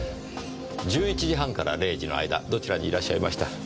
１１時半から０時の間どちらにいらっしゃいました？